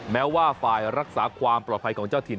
แม้ว่าฝ่ายรักษาความปลอดภัยของเจ้าถิ่น